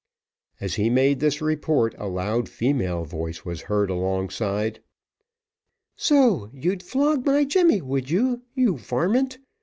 As he made this report a loud female voice was heard alongside. "So, you'd flog my Jemmy, would you, you varmint?